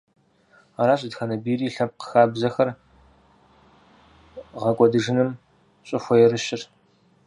Аращ дэтхэнэ бийри лъэпкъ хабзэхэр гъэкӀуэдыжыным щӀыхуэерыщыр.